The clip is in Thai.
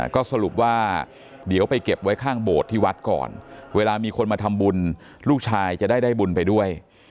ก็สรุปว่าเดี๋ยวไปเก็บไว้ข้างโบสถ์ที่วัดก่อนเวลามีคนมาทำบุญลูกชายจะได้ได้บุญไปด้วย